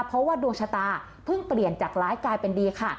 เพราะว่าดวงชะตาเพิ่งเปลี่ยนจากร้ายกลายเป็นดีค่ะ